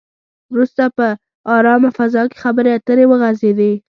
وروسته په ارامه فضا کې خبرې اترې وغځېدې.